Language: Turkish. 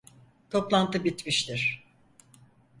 Toplantı bitmiştir.